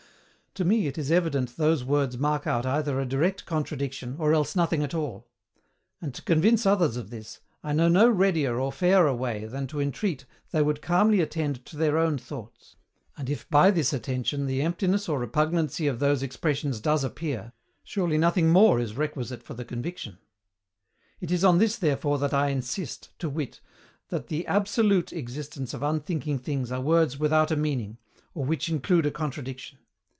To me it is evident those words mark out either a direct contradiction, or else nothing at all. And to convince others of this, I know no readier or fairer way than to entreat they would calmly attend to their own thoughts; and if by this attention the emptiness or repugnancy of those expressions does appear, surely nothing more is requisite for the conviction. It is on this therefore that I insist, to wit, that the ABSOLUTE existence of unthinking things are words without a meaning, or which include a contradiction.